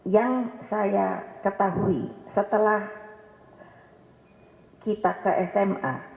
yang saya ketahui setelah kita ke sma